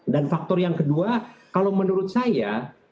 dan faktor yang kedua kalau menurut saya